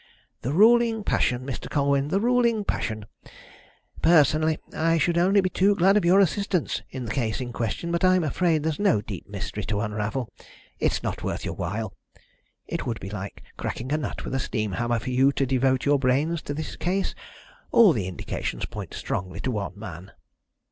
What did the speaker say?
"The ruling passion, Mr. Colwyn, the ruling passion! Personally I should be only too glad of your assistance in the case in question, but I'm afraid there's no deep mystery to unravel it's not worth your while. It would be like cracking a nut with a steam hammer for you to devote your brains to this case. All the indications point strongly to one man."